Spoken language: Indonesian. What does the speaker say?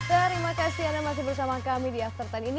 terima kasih anda masih bersama kami di after sepuluh ini